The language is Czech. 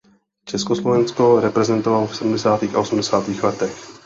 Československo reprezentoval v sedmdesátých a osmdesátých letech.